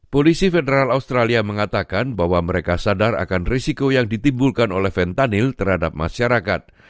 polisi federal australia mengatakan bahwa mereka sadar akan risiko yang ditimbulkan oleh fentanyl terhadap masyarakat